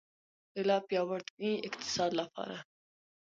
د لا پیاوړي اقتصاد لپاره.